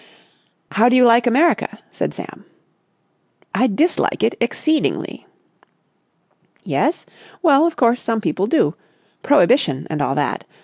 "How do you like America?" said Sam. "I dislike it exceedingly." "Yes? Well, of course, some people do. Prohibition and all that.